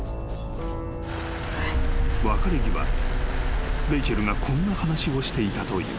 ［別れ際レイチェルがこんな話をしていたという］